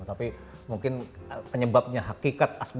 tapi mungkin penyebabnya hakikat